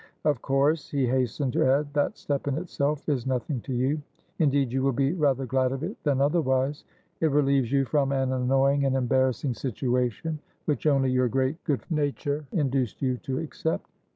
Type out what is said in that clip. Of course," he hastened to add, "that step in itself is nothing to you. Indeed, you will be rather glad of it than otherwise; it relieves you from an annoying and embarrassing situation, which only your great good nature induced you to accept.